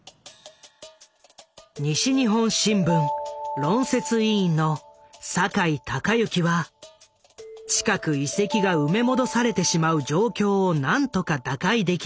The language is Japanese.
西日本新聞論説委員の坂井孝之は近く遺跡が埋め戻されてしまう状況を何とか打開できないかと考えていた。